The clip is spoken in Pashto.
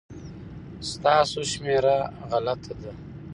ستاسو شمېره غلطه ده